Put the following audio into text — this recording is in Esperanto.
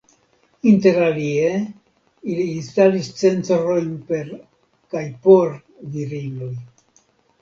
Interalie ili instalis centrojn per kaj por virinoj.